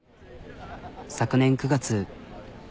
昨年９月。